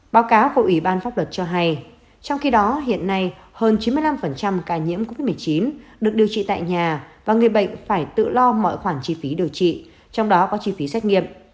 báo cáo của ủy ban pháp luật cho hay trong khi đó hiện nay hơn chín mươi năm ca nhiễm covid một mươi chín được điều trị tại nhà và người bệnh phải tự lo mọi khoản chi phí điều trị trong đó có chi phí xét nghiệm